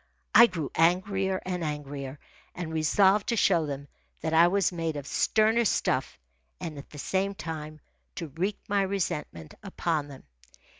I grew angrier and angrier, and resolved to show them that I was made of sterner stuff and at the same time to wreak my resentment upon them.